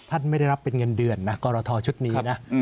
ท่านไม่ได้รับเป็นเงินเดือนนะกรทชุดนี้นะ